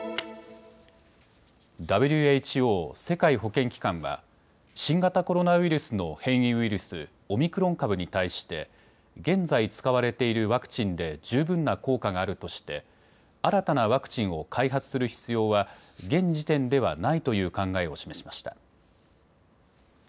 ＷＨＯ・世界保健機関は新型コロナウイルスの変異ウイルス、オミクロン株に対して現在使われているワクチンで十分な効果があるとして新たなワクチンを開発する必要は現時点ではないという考えを示しました。